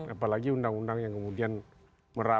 apalagi undang undang yang kemudian